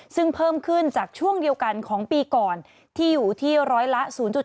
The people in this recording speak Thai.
ซึ่งเพิ่มขึ้นจากช่วงเดียวกันของปีก่อนที่อยู่ที่ร้อยละ๐๗